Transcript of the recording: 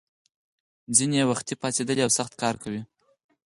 ځینې یې وختي پاڅېدلي او سخت کار کوي.